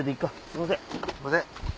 すいません。